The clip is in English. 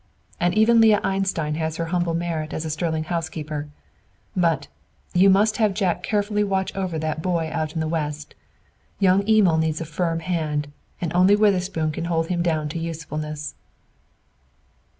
"And even Leah Einstein has her humble merit as a sterling housekeeper. But, you must have Jack carefully watch over that boy out in the West. Young Emil needs a firm hand, and only Witherspoon can hold him down to usefulness."